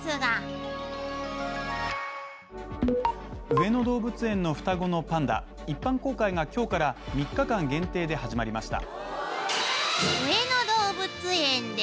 上野動物園の双子のパンダ一般公開が今日から３日間限定で始まりました「上野動物園で」